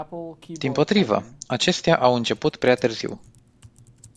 Dimpotrivă, acestea au început prea târziu.